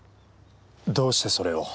どうしてそれを？